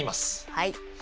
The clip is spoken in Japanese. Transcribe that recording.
はい。